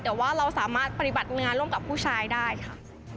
แต่ว่าเราสามารถปฏิบัติงานร่วมกับผู้ชายได้ค่ะ